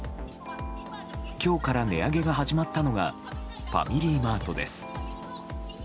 今日から値上げが始まったのがファミリーマートです。